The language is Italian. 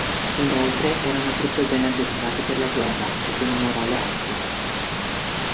Inoltre erano truppe ben addestrate per la guerra e con un morale alto.